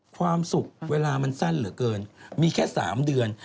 ความสุขเวลามันสั้นเหลือเกินมีแค่๓เดือน